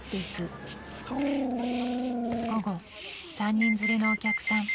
午後３人連れのお客さん。